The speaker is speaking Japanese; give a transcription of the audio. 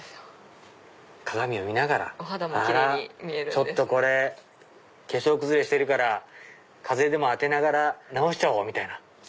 ちょっと化粧崩れしてるから風でも当てながら直しちゃおう！みたいな。